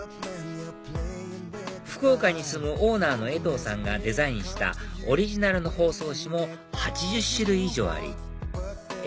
福岡に住むオーナーの江藤さんがデザインしたオリジナルの包装紙も８０種類以上ありＡ